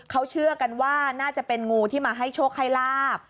เขาเชื่อกันว่าน่าจะเป็นงูที่มาให้โชคให้ลาบ